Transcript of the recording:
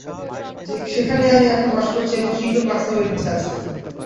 সেখানেই আমি এখন বাস করছি এবং শীঘ্র ক্লাস নেবার ইচ্ছা আছে।